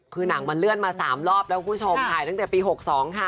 คือหนังมันเลื่อนมา๓รอบแล้วคุณผู้ชมถ่ายตั้งแต่ปี๖๒ค่ะ